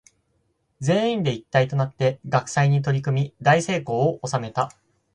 全員で一体となって学祭に取り組み大成功を収めた。